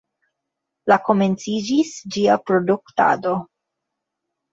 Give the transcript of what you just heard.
La komenciĝis ĝia produktado.